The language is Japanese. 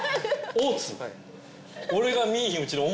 大津！